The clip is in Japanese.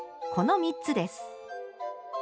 この３つです。